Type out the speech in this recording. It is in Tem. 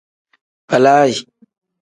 Balaayi.